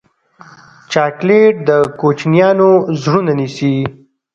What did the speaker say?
چاکلېټ د کوچنیانو زړونه نیسي.